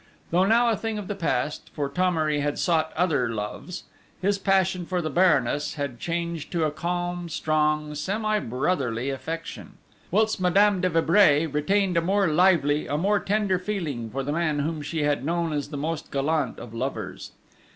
Though now a thing of the past, for Thomery had sought other loves, his passion for the Baroness had changed to a calm, strong, semi brotherly affection; whilst Madame de Vibray retained a more lively, a more tender feeling for the man whom she had known as the most gallant of lovers.